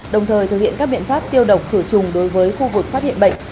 đồng thời thực hiện các biện pháp tiêu độc khử trùng đối với khu vực phát hiện bệnh